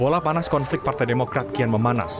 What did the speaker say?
bola panas konflik partai demokrat kian memanas